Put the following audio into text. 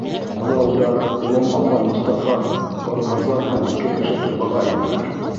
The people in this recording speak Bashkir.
Ҡоралдар, лом алған Мостафа, Орбазан һәм ике кеше торбаға инәләр.